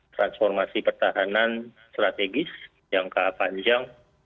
transformasi pertahanan strategis jangka panjang